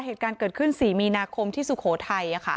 เหตุการณ์เกิดขึ้น๔มีนาคมที่สุโขทัย